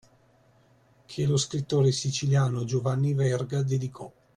Che lo scrittore siciliano Giovanni Verga dedicò